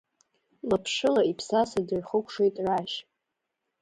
Лаԥшыла иԥсаса дырхыкәшоит Рашь.